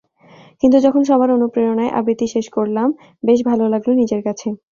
কিন্তু যখন সবার অনুপ্রেরণায় আবৃত্তি শেষ করলাম, বেশ ভালো লাগল নিজের কাছে।